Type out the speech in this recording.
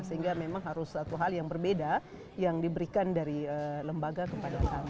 sehingga memang harus satu hal yang berbeda yang diberikan dari lembaga kepada kami